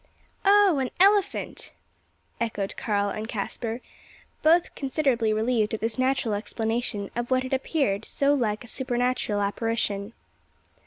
"Oh! an elephant!" echoed Karl and Caspar both considerably relieved at this natural explanation of what had appeared so like a supernatural apparition.